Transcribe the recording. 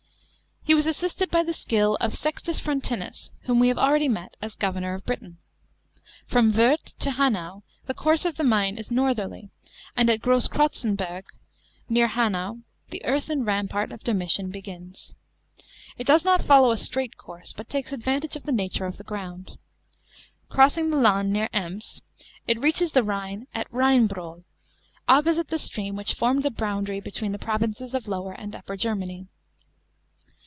He was assisted by the skill of Sextus Frontinus, whom we have already met as governor of Britain. From Worth to Hanau the course of the Main is northerly, and at Grosskrotzen burg, near Hanau, the earthen rampart of Dornitian begins. It does not follow a straight course, but takes advantage of the nature of the ground. Crossing the Lahn near Ems, it reaches the Rhine at Rheinbrohl, opt>osite the stream which formed the boundary between the provinces of Lower and Upper Germany.